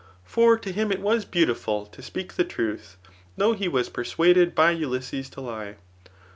For to him it was beautiful to speak the truth, though he was persuaded by Ulysses to lie.